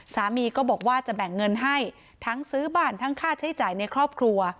สามีก็บอกว่าจะแบ่งเงินให้ทั้งซื้อบ้านทั้งค่าใช้จ่ายในครอบครัว